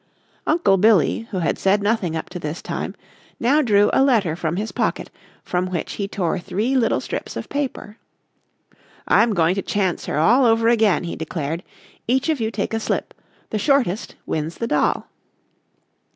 Uncle Billy, who had said nothing up to this time, now drew a letter from his pocket from which he tore three little strips of paper. "I'm going to chance her all over again," he declared. "Each of you take a slip. The shortest wins the doll."